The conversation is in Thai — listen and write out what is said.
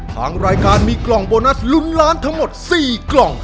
ทางรายการมีกล่องโบนัสลุ้นล้านทั้งหมด๔กล่อง